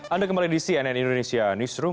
anda kembali di cnn indonesia newsroom